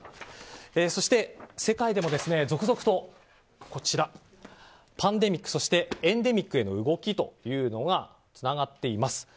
そして、世界でも続々とパンデミックそしてエンデミックへの動きというのがつながっています。